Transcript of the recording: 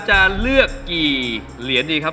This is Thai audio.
จะเลือกกี่เหรียญดีครับ